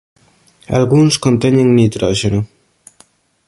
Algúns conteñen nitróxeno.